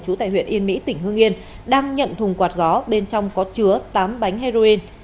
trú tại huyện yên mỹ tỉnh hương yên đang nhận thùng quạt gió bên trong có chứa tám bánh heroin